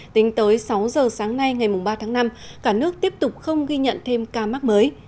tính tới sáu giờ sáng nay ngày ba tháng năm cả nước tiếp tục không ghi nhận thêm ca mắc mới